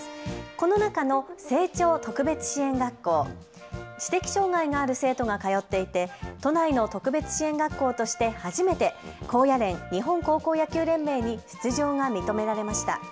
この中の青鳥特別支援学校、知的障害がある生徒が通っていて都内の特別支援学校として初めて高野連・日本高校野球連盟に出場が認められました。